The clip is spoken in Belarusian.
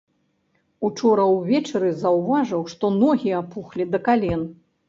Учора ўвечары заўважыў, што ногі апухлі да кален.